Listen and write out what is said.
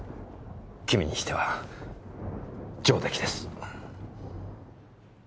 君にしては上出来です。